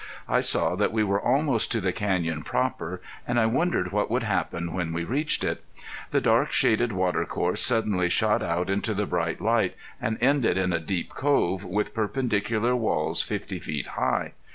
I saw that we were almost to the canyon proper, and I wondered what would happen when we reached it. The dark shaded watercourse suddenly shot out into bright light and ended in a deep cove, with perpendicular walls fifty feet high.